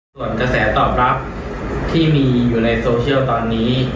ส่วนกระแสตอบรับที่มีอยู่ในโซเชียลตอนนี้